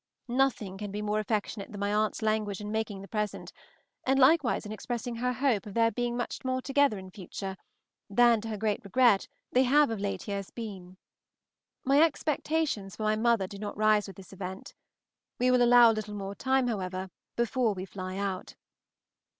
Nothing can be more affectionate than my aunt's language in making the present, and likewise in expressing her hope of their being much more together in future than, to her great regret, they have of late years been. My expectations for my mother do not rise with this event. We will allow a little more time, however, before we fly out.